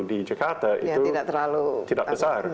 di jakarta itu tidak besar